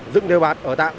dựng đều bạt ở tạm